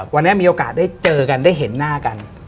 วันนี้มีโอกาสได้เจอกันได้เห็นหน้ากัน